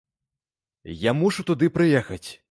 Я мушу туды прыехаць!